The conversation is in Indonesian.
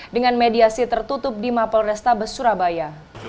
dengan mediasi tertutup di mapol restabes surabaya